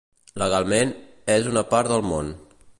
Legalment, és una part del nom.